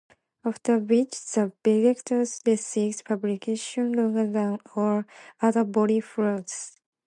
After death, the vitreous resists putrifaction longer than other body fluids.